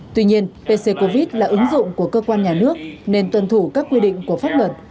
tuy nhiên pc covid là ứng dụng của cơ quan nhà nước nên tuân thủ các quy định của pháp luật